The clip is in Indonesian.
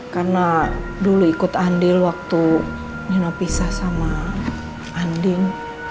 karena dulu ikut andil waktu nino pisah sama anding